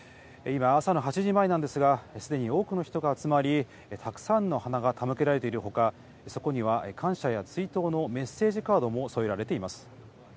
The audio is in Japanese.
今、朝の８時前なんですが、すでに多くの人が集まり、たくさんの花が手向けられているほか、そこには、感謝や追悼のメッセージカードも添えられています。